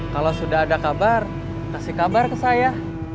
kalau sudah ada kabar kasih kabar ke saya